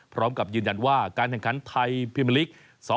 พร้อมกับยืนยันว่าการแข่งขันไทยพิมพลิก๒๐